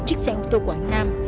chiếc xe ô tô của anh nam